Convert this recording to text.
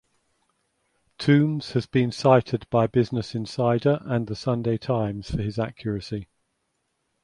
Tombs has been cited by Business Insider and the Sunday Times for his accuracy.